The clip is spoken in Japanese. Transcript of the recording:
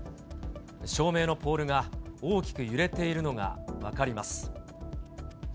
照明のポールが大きく揺れているのが分かります。